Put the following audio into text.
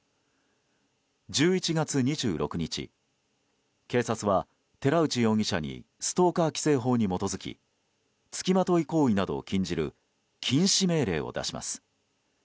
１１月２６日警察は寺内容疑者にストーカー規制法に基づき付きまとい行為などを禁じる禁止命令を出します。